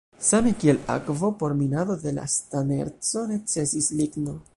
Same kiel akvo por minado de la stan-erco necesis ligno.